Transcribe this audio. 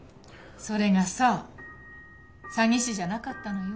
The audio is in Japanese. それがさ詐欺師じゃなかったのよ